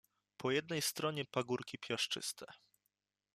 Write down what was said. Po jednej stronie pagórki piaszczyste.